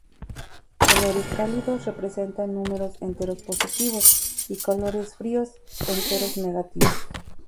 Colores cálidos representan números enteros positivos y colores fríos enteros negativos.